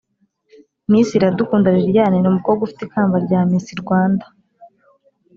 miss iradukunda liliane ni umukobwa ufite ikamba rya miss rwanda